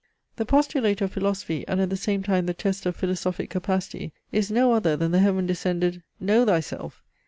The postulate of philosophy and at the same time the test of philosophic capacity, is no other than the heaven descended KNOW THYSELF!